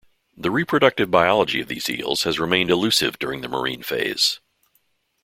The reproductive biology of these eels has remained elusive during the marine phase.